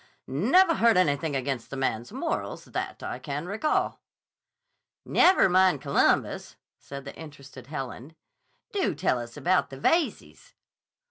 Nevah heard anything against the man's morals, that I can recall." "Never mind Columbus," said the interested Helen. "Do tell us about the Veyzes."